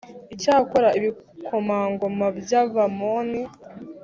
Icyakora ibikomangoma by abamoni